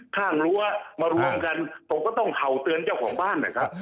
รั้วมารวมกันผมก็ต้องเข่าเตือนเจ้าของบ้านนะครับ